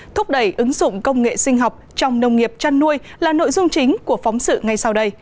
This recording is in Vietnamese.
thúc đẩy ứng dụng công nghệ sinh học trong nông nghiệp chăn nuôi là nội dung chính của phóng sự ngay sau đây